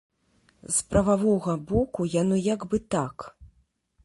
З прававога боку яно як бы так.